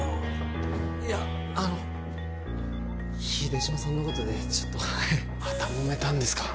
いやあの秀島さんのことでちょっとまたもめたんですか？